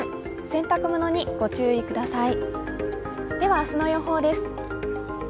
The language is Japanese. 洗濯物にご注意ください。